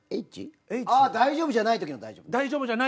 ああ大丈夫じゃない時の「大丈夫」？